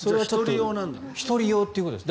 １人用ということですね。